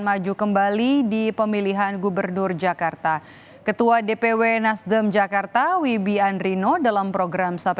maju kembali di pemilihan gubernur jakarta ketua dpw nasdem jakarta wibi andrino dalam program